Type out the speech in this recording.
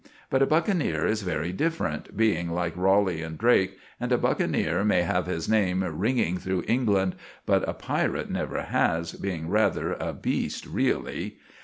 But a buckeneer is very diferent, being like Raleigh and Drake; and a buckeneer may have his name wringing through England, but a pirit never has, being rather a beast reelly.